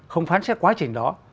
không phán xét quá trình đó